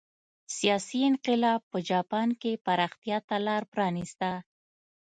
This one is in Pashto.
سیاسي انقلاب په جاپان کې پراختیا ته لار پرانېسته.